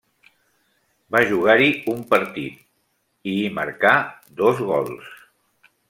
Va jugar-hi un partit, i hi marcà dos gols.